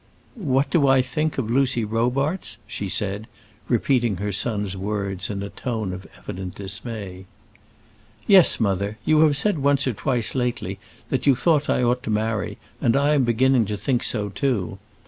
"What do I think of Lucy Robarts?" she said, repeating her son's words in a tone of evident dismay. "Yes, mother; you have said once or twice lately that you thought I ought to marry, and I am beginning to think so too.